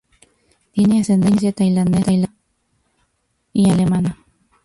Tiene ascendencia tailandesa y alemana.